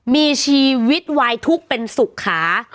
มีชีวิตวายทุกข์เป็นสุขา